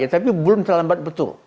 tapi belum terlambat betul